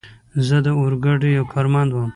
زه د اورګاډي یو کارمند ووم.